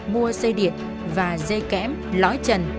mua dây điện và dây kẽm lói trần